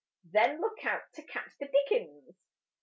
Then look out to catch the dickens!